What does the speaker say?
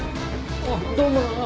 あっどうもな。